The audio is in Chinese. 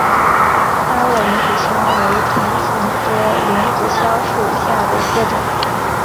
大萼铃子香为唇形科铃子香属下的一个种。